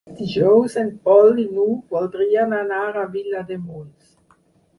Dijous en Pol i n'Hug voldrien anar a Vilademuls.